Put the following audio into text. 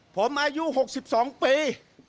ผมอายุ๖๒ปี